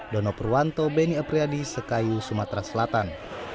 dono purwanto beni apriyadi sekayu sumatera selatan